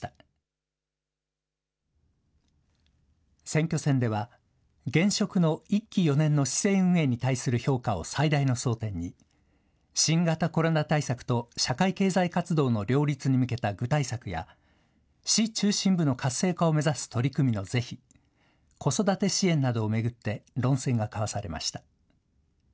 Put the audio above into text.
選挙戦では、現職の１期４年の市政運営に対する評価を最大の争点に、新型コロナ対策と社会経済活動の両立に向けた具体策や、市中心部の活性化を目指す取り組みの是非、子育て支援などを巡って論戦が交わされました。